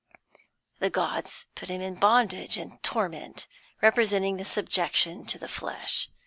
The gods put him in bondage and torment, representing the subjection to the flesh.